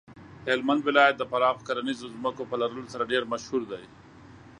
هلمند ولایت د پراخو کرنیزو ځمکو په لرلو سره ډیر مشهور دی.